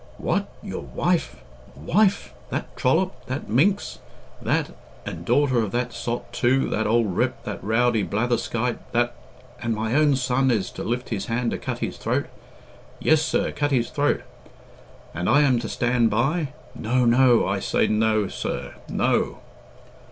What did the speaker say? "What? Your wife? Wife? That trollop! that minx! that and daughter of that sot, too, that old rip, that rowdy blatherskite that And my own son is to lift his hand to cut his throat! Yes, sir, cut his throat And I am to stand by! No, no! I say no, sir, no!"